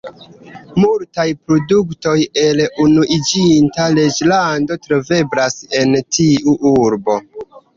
Multaj produktoj el Unuiĝinta Reĝlando troveblas en tiu urbo.